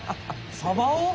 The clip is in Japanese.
サバを？